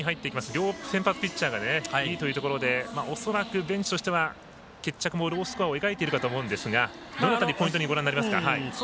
両先発ピッチャーがいいということで恐らくベンチとしては決着もロースコアを描いていると思いますがどの辺り、ポイントにご覧になりますか？